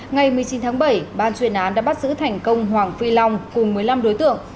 ngày một mươi chín tháng bảy ban chuyên án đã bắt giữ thành công hoàng phi long cùng một mươi năm đối tượng